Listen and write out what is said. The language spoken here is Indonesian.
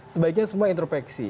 sebaiknya semua intropeksi